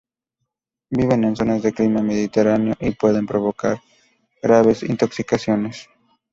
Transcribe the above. Viven en zonas de clima mediterráneo y puede provocar graves intoxicaciones.